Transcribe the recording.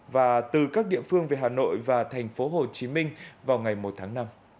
và từ các địa phương về hà nội và thành phố hồ chí minh vào ngày một tháng năm